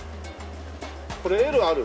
これＬある？